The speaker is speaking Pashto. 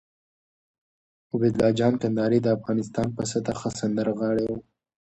عبیدالله جان کندهاری د افغانستان په سطحه ښه سندرغاړی وو